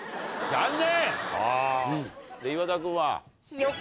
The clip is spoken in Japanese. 残念！